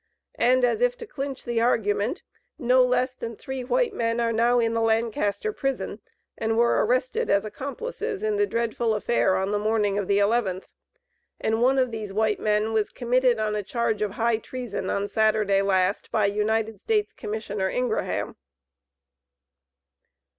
And, as if to clinch the argument, no less than three white men are now in the Lancaster prison, and were arrested as accomplices in the dreadful affair on the morning of the eleventh. And one of these white men was committed on a charge of high treason, on Saturday last, by United States Commissioner Ingraham."